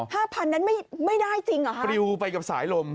พันนั้นไม่ไม่ได้จริงเหรอคะปริวไปกับสายลม